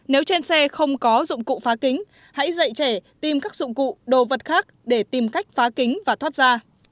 nếu trên xe không có dụng cụ phá kính hãy dạy trẻ tìm các dụng cụ đồ vật khác để tìm cách phá kính và thoát ra